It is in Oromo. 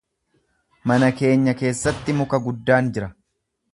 Mana keenya keessatti muka guddaan jira.